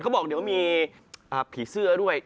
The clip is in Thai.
บอกเดี๋ยวมีผีเสื้อด้วย